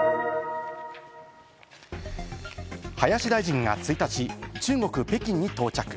林大臣が１日、中国・北京に到着。